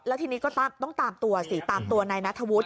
แล้วทีนี้ก็ต้องตามตัวสิตามตัวนายนัทธวุฒิ